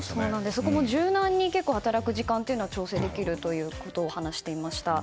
そこも柔軟に働く時間が調整できるということも話していました。